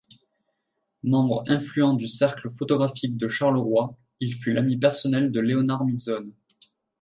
Membre influent du Cercle photographique de Charleroi, Il fut l'ami personnel de Léonard Misonne.